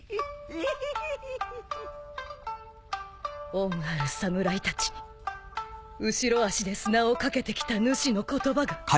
恩ある侍たちに後ろ足で砂をかけてきたぬしの言葉が。